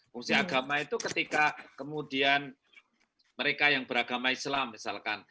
fungsi agama itu ketika kemudian mereka yang beragama islam misalkan